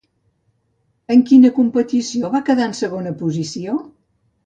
En quina competició va quedar en segona posició?